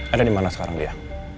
ada di mana sekarang lihat